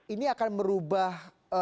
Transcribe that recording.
ini akan merubah